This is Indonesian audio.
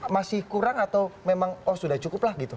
masih kurang atau memang oh sudah cukup lah gitu